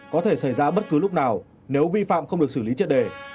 có thể xảy ra bất cứ lúc nào nếu vi phạm không được xử lý triệt đề